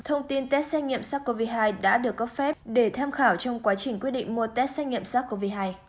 thông tin test xét nghiệm sars cov hai đã được cấp phép để tham khảo trong quá trình quyết định mua test xét nghiệm sars cov hai